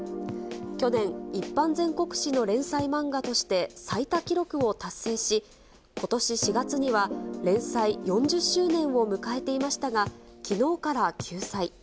去年、一般全国紙の連載漫画として最多記録を達成し、ことし４月には連載４０周年を迎えていましたが、きのうから休載。